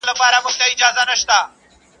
په سیوري پسي پل اخلي رازونه تښتوي.